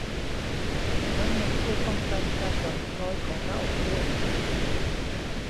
ทั้งยังช่วยป้องกันการหย่อนคล้อยของหน้าอกด้วย